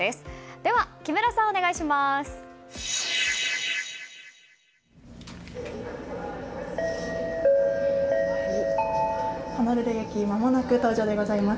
では木村さん、お願いします。